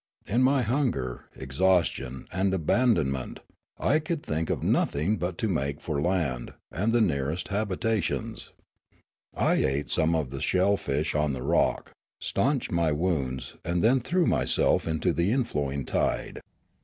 In my hunger, exhaustion, and abandonment I could think of nothing but to make for land and the nearest habit ations. I ate some of the shell fish on the rock, stanched 24 Riallaro my wounds, and then threw myself into the inflowing tide.